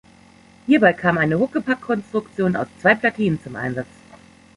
Hierbei kam eine Huckepack-Konstruktion aus zwei Platinen zum Einsatz.